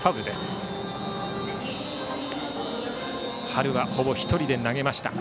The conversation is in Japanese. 春はほぼ１人で投げました。